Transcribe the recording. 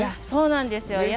そうなんですよ。